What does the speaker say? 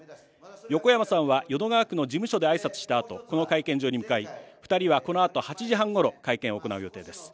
横山さんは、淀川区の事務所であいさつしたあと、この会見場に向かい、２人はこのあと８時半ごろ、会見を行う予定です。